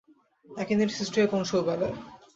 Akinete সৃষ্টি হয় কোন শৈবালে?